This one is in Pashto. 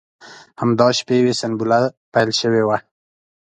همدا شپې وې سنبله پیل شوې وه.